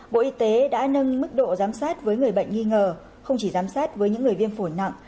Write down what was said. bộ y tế đã nâng mức độ giám sát với người bệnh nghi ngờ không chỉ giám sát với những người viêm phổi nặng